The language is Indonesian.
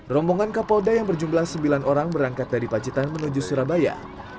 rombongan kapolda yang berjumlah sembilan orang berangkat dari pacitan menuju surabaya